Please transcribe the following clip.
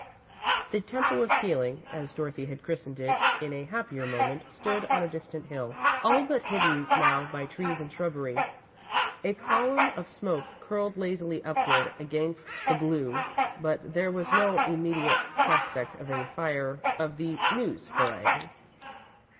"The Temple of Healing," as Dorothy had christened it in a happier moment, stood on a distant hill, all but hidden now by trees and shrubbery. A column of smoke curled lazily upward against the blue, but there was no immediate prospect of a fire of the "news" variety.